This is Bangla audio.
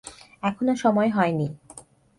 এখনো সময় হয় নি।